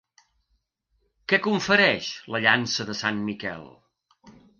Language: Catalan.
Què confereix la llança de Sant Miquel?